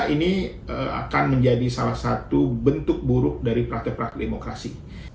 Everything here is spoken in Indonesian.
ini akan menjadi salah satu bentuk buruk dari praktek praktek demokrasi